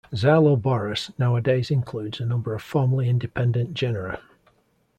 "Xyloborus" nowadays includes a number of formerly independent genera.